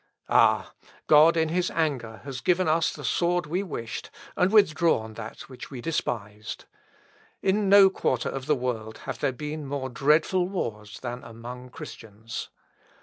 Ah! God in his anger has given us the sword we wished, and withdrawn that which we despised. In no quarter of the world have there been more dreadful wars than among Christians....